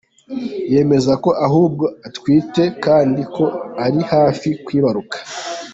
Yemeza ko ahubwo atwite kandi ko ari hafi kwibaruka.